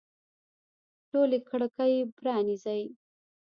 ټولي کړکۍ پرانیزئ